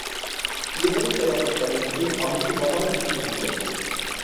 يىغىلىش ئاياغلاشقاندىن كېيىن، ئاممىۋى نامايىش ئۆتكۈزۈلگەن.